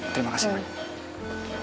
terima kasih man